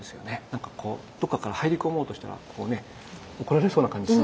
何かこうどっかから入り込もうとしたらこうね怒られそうな感じしますよね。